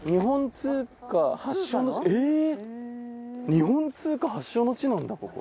日本通貨発祥の地なんだここ。